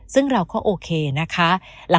ซึ่งเราก็โอเคนะคะ